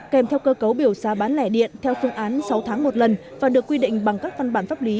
kèm theo cơ cấu biểu giá bán lẻ điện theo phương án sáu tháng một lần và được quy định bằng các văn bản pháp lý